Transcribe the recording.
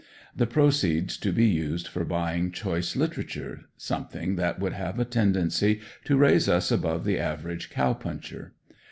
The proceeds to be used for buying choice literature something that would have a tendency to raise us above the average cow puncher.